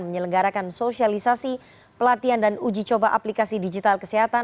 menyelenggarakan sosialisasi pelatihan dan uji coba aplikasi digital kesehatan